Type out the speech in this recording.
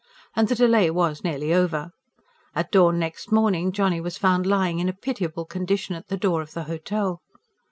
And the delay was nearly over. At dawn next morning Johnny was found lying in a pitiable condition at the door of the hotel.